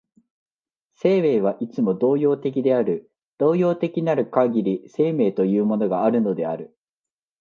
生命はいつも動揺的である、動揺的なるかぎり生命というものがあるのである。